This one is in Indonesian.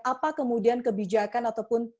apa kemudian kebijakan ataupun